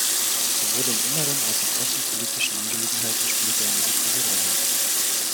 Sowohl in inneren als auch außenpolitischen Angelegenheiten spielte er eine wichtige Rolle.